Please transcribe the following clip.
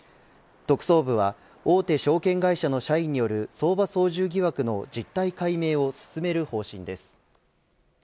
特捜部は大手証券会社の社員による相場操縦疑惑の実態解明を進める方針です。